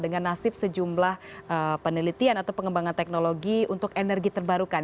dengan nasib sejumlah penelitian atau pengembangan teknologi untuk energi terbarukan